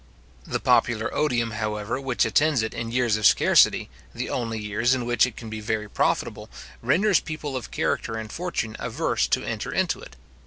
The popular odium, however, which attends it in years of scarcity, the only years in which it can be very profitable, renders people of character and fortune averse to enter into it.